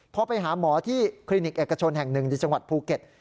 พอไปหาหมอที่คลินิกเอกชนแห่งหนึ่งในจังหวัดภูเก็ต